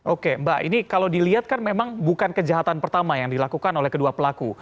oke mbak ini kalau dilihat kan memang bukan kejahatan pertama yang dilakukan oleh kedua pelaku